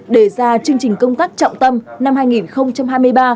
đề ra chương trình công tác trọng tâm năm hai nghìn hai mươi ba